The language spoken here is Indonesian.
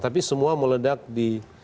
tapi semua meledak di